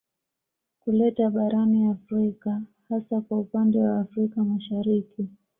Kuleta barani Afrika hasa kwa upande wa Afrika Mashariki